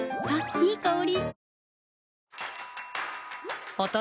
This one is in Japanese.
いい香り。